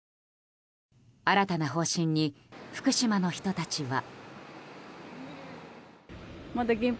新たな方針に福島の人たちは。